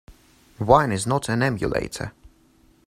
Wine is not an emulator.